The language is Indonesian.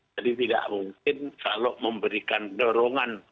jadi tidak mungkin kalau memberikan dorongan